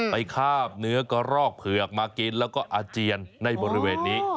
คาบเนื้อกระรอกเผือกมากินแล้วก็อาเจียนในบริเวณนี้